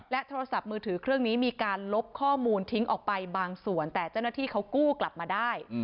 โทรศัพท์มือถือเครื่องนี้มีการลบข้อมูลทิ้งออกไปบางส่วนแต่เจ้าหน้าที่เขากู้กลับมาได้